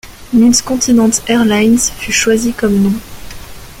Midcontinent Airlines fut choisi comme nom.